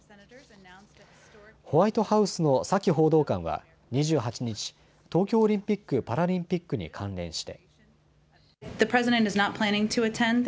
ホワイトハウスのサキ報道官は２８日、東京オリンピック・パラリンピックに関連して。